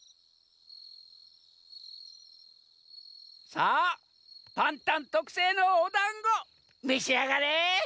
さあパンタンとくせいのおだんごめしあがれ！